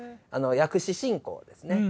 薬師信仰ですね。